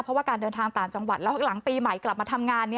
เพราะว่าการเดินทางต่างจังหวัดแล้วหลังปีใหม่กลับมาทำงาน